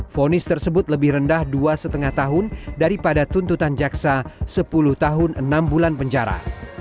fonis tersebut lebih rendah dua lima tahun daripada tuntutan jaksa sepuluh tahun enam bulan penjara